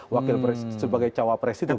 wakil sebagai cawapres itu